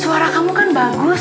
suara kamu kan bagus